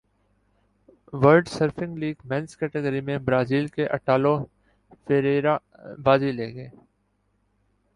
world surfing league men's category میں Brazil کے Italo Ferreira بازی لے گئے